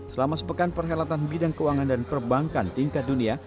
selama sepekan perhelatan bidang keuangan dan perbankan tingkat dunia